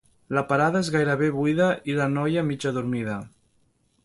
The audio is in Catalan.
La parada és gairebé buida i la noia mig adormida.